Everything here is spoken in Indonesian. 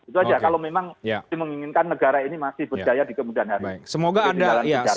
itu aja kalau memang dimenginginkan negara ini masih berjaya di kemudian hari